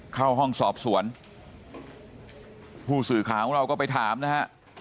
เข้าห้องสอบสวนผู้สื่อข่าวของเราก็ไปถามนะฮะ